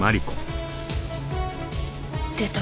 出た。